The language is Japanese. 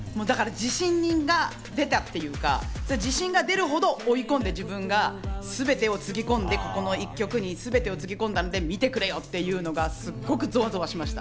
自信が出たっていうか、自信が出るほど追い込んで、自分がすべてをつぎ込んで、この一曲にすべてをつぎ込んだ、見てくれよというのがゾワゾワしました。